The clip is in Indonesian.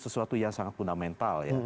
sesuatu yang sangat fundamental ya